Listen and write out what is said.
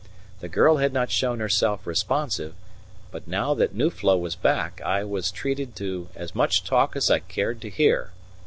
The girl had not shown herself responsive, but now that Nuflo was back I was treated to as much talk as I cared to hear.